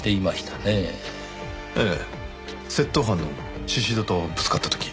ええ窃盗犯の宍戸とぶつかった時に。